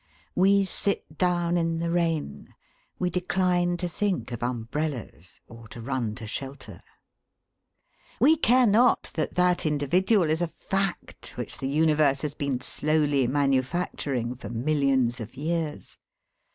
We sit down in the rain. We decline to think of umbrellas, or to run to shelter. We care not that that individual is a fact which the universe has been slowly manufacturing for millions of years.